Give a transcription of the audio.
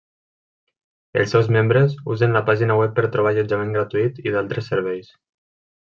Els seus membres usen la pàgina web per trobar allotjament gratuït i d'altres serveis.